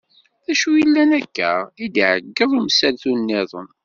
Acu yellan akka? i d-iɛeggeḍ umsaltu niḍen.